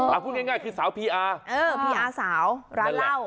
เอาพูดง่ายคือสาวพีอาร์เออพีอาสาวร้านเหล้า